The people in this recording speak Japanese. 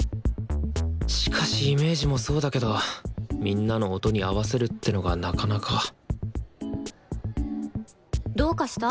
しかしイメージもそうだけどみんなの音に合わせるってのがなかなかどうかした？